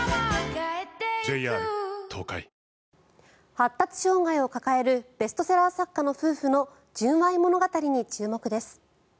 発達障害を抱えるベストセラー作家の夫婦の純愛物語に注目です。